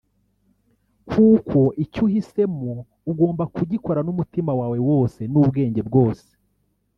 kuko icyo uhisemo ugomba kugikora n’umutima wawe wose n’ubwenge bwose